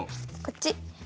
こっち